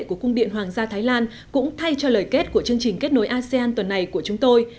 của cung điện hoàng gia thái lan cũng thay cho lời kết của chương trình kết nối asean tuần này của chúng tôi